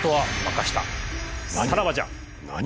さらばじゃ。